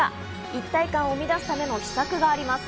一体感を生み出すための秘策があります。